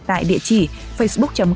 tại địa chỉ facebook com vnvn